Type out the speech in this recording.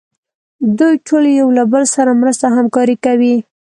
دوی ټول یو له بل سره مرسته او همکاري کوي.